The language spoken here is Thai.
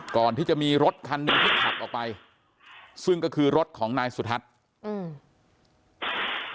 ก่อนที่จะมีรถคันหนึ่งที่ขับออกไปซึ่งก็คือรถของนายสุทัศน์อืม